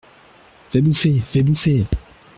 Fais bouffer ! fais bouffer !…